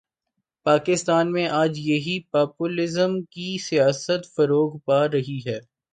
پاکستان میں آج یہی پاپولزم کی سیاست فروغ پا رہی ہے۔